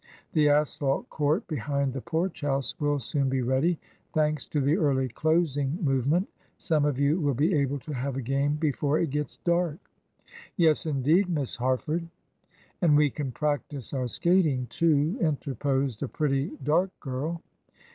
The asphalt court behind the Porch House will soon be ready. Thanks to the early closing movement, some of you will be able to have a game before it gets dark." "Yes, indeed, Miss Harford." "And we can practise our skating, too," interposed a pretty, dark girl.